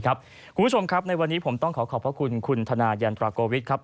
ครับคุณผู้ชมครับในวันนี้ผมต้องขอขอบคุณคุณทนายันทวัลโตวิกครับ